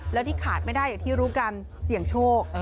แล้วที่ขาดไม่ได้อย่างที่รู้กันเสี่ยงโชค